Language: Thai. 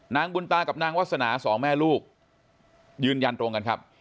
นางบุญตากับนางวาสนาสองแม่ลูกยืนยันตรงกันครับ